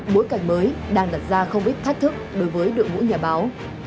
bối cảnh mới đang đặt ra không ít thách thức đối với đội ngũ nhà báo